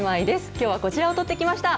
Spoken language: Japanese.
きょうはこちらを撮ってきました。